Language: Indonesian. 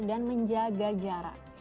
dan menjaga jarak